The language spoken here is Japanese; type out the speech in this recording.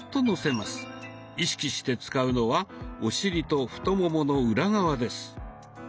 意識して使うのはお尻と太ももの裏側です。